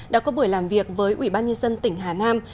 đã có buổi làm việc với ủy ban nhân dân tỉnh hà nam